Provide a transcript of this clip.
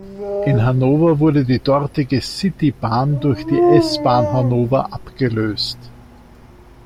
In Hannover wurde die dortige City-Bahn durch die S-Bahn Hannover abgelöst.